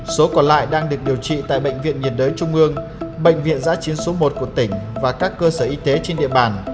số còn lại đang được điều trị tại bệnh viện nhiệt đới trung ương bệnh viện giã chiến số một của tỉnh và các cơ sở y tế trên địa bàn